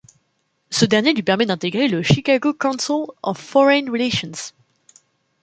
Ce dernier lui permet d'intégrer le Chicago Council of Foreign Relations.